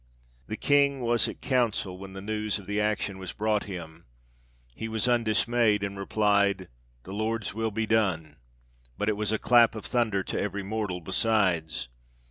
The King was at the council when the news of the action was brought him ; he was undismayed, and replied, " The Lord's will be done ;" but it was a clap of thunder to every mortal besides.